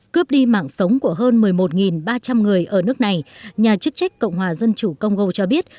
cướp đi mạng sống của hơn một mươi một ba trăm linh người ở nước này nhà chức trách cộng hòa dân chủ congo cho biết